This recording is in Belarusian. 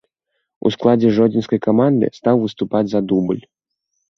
У складзе жодзінскай каманды стаў выступаць за дубль.